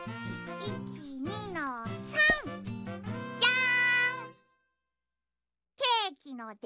１２の３。じゃん。